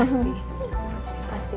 sebagai anak sendiri